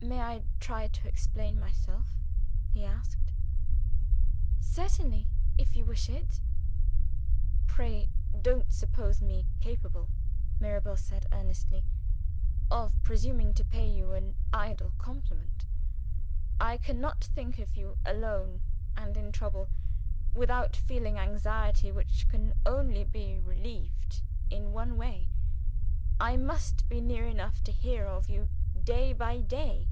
"May I try to explain myself?" he asked. "Certainly, if you wish it." "Pray, don't suppose me capable," Mirabel said earnestly, "of presuming to pay you an idle compliment. I cannot think of you, alone and in trouble, without feeling anxiety which can only be relieved in one way I must be near enough to hear of you, day by day.